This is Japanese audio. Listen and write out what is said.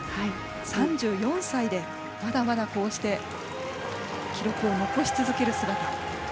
３４歳でまだまだこうして記録を残し続ける姿。